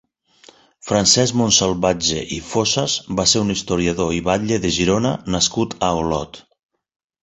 Francesc Montsalvatge i Fossas va ser un historiador i batlle de Girona nascut a Olot.